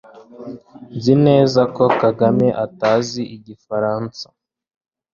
Nzi neza ko Kagame atazi Igifaransa